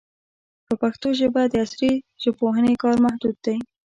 په پښتو ژبه د عصري ژبپوهنې کار محدود دی.